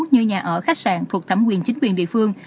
như nhà ở khách sạn thuộc thẩm quyền chính quyền địa phương